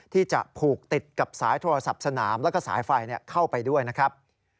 ที่จะผูกติดกับสายโทรศัพท์สนามแล้วก็สายไฟเข้าไปด้วยนะครับ